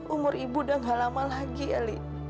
umur ibu udah gak lama lagi eli